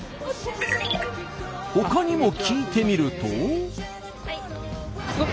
ほかにも聞いてみると。